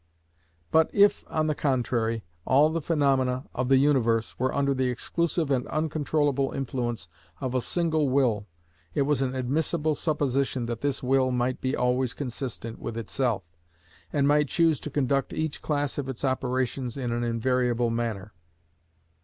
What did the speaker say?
But if, on the contrary, all the phaenomena of the universe were under the exclusive and uncontrollable influence of a single will, it was an admissible supposition that this will might be always consistent with itself, and might choose to conduct each class of its operations in an invariable manner.